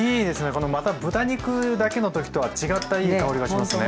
このまた豚肉だけのときとは違ったいい香りがしますね。ね